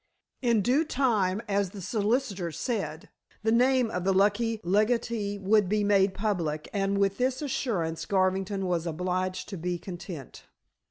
In due time, as the solicitor said, the name of the lucky legatee would be made public, and with this assurance Garvington was obliged to be content.